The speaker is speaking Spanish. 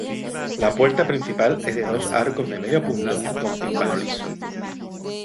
La puerta principal es de dos arcos de medio punto con tímpano liso.